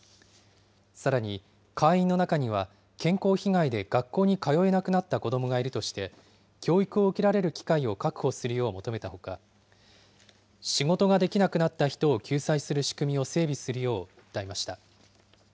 さらに、会員の中には健康被害で学校に通えなくなった子どもがいるとして、教育を受けられる機会を確保するよう求めたほか、仕事ができなくなった人を救済する仕組みを整備するよう訴えました。